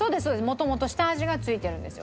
もともと下味がついてるんですよ。